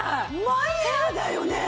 マイヤーだよね？